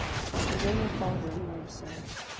I can go no farther in my research